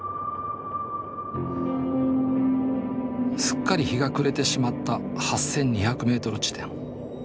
すっかり日が暮れてしまった８２００ｍ地点。